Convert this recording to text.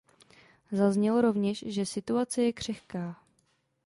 Zaznělo rovněž, že situace je křehká.